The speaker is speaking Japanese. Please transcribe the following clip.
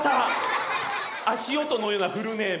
足音のようなフルネーム。